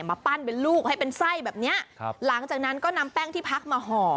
มาปั้นเป็นลูกให้เป็นไส้แบบเนี้ยครับหลังจากนั้นก็นำแป้งที่พักมาห่อ